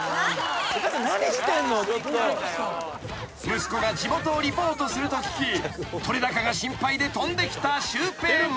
［息子が地元をリポートすると聞きとれ高が心配で飛んできたシュウペイママ］